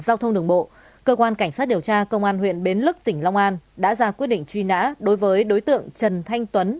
giao thông đường bộ cơ quan cảnh sát điều tra công an huyện bến lức tỉnh long an đã ra quyết định truy nã đối với đối tượng trần thanh tuấn